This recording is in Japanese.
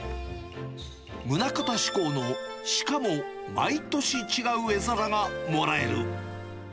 棟方しこうの、しかも毎年違う絵皿がもらえる。